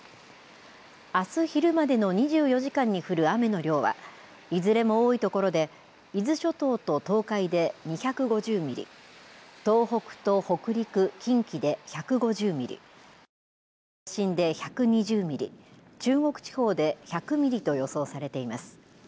あす昼までの２４時間に降る雨の量は、いずれも多い所で、伊豆諸島と東海で２５０ミリ、東北と北陸、近畿で１５０ミリ、関東甲信で１２０ミリ、中国地方で１００ミリと予想されています。